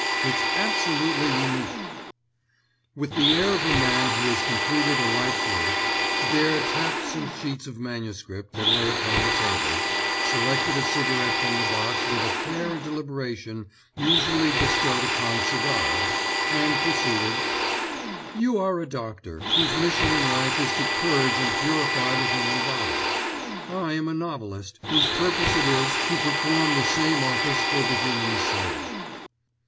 It's absolutely unique." With the air of a man who has completed a life's work, Dare tapped some sheets of manuscript that lay upon the table, selected a cigarette from the box with a care and deliberation usually bestowed upon cigars, and proceeded: "You are a doctor, whose mission in life is to purge and purify the human body; I am a novelist whose purpose it is to perform the same office for the human soul."